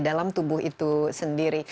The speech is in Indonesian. dalam tubuh itu sendiri